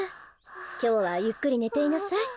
きょうはゆっくりねていなさい。